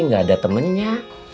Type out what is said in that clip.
gak ada temennya